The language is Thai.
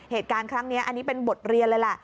เหตุการณ์ครั้งนี้อันนี้เป็นบทเรียนเลยแหละ